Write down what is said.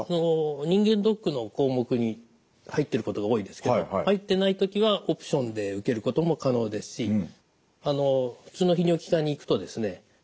人間ドックの項目に入ってることが多いですけど入ってない時はオプションで受けることも可能ですし普通の泌尿器科に行くとですね